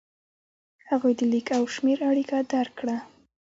هغوی د لیک او شمېر اړیکه درک کړه.